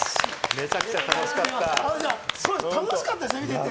めちゃくちゃ楽しかった。